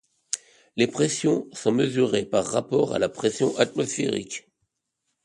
Les pressions sont mesurées par rapport à la pression atmosphérique.